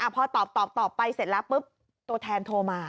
พอตอบไปเสร็จแล้วปุ๊บตัวแทนโทรมา